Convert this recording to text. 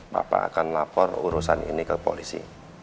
bapak akan lapor urusan ini ke polisi